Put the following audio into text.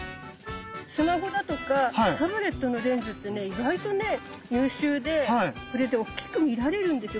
スマホだとかタブレットのレンズってね意外とね優秀でこれでおっきく見られるんですよ。